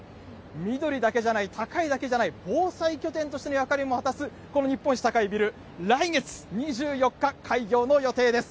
緑だけじゃない、高いだけじゃない、防災拠点としての役割も果たす、この日本一高いビル、来月２４日開業の予定です。